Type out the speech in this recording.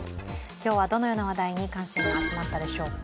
今日はどのよう話題に関心が集まったでしょうか。